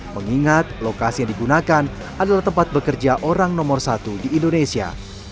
mengingat lokasi yang digunakan adalah tempat bekerja orang nomor satu di indonesia